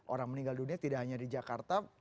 orang meninggal dunia tidak hanya di jakarta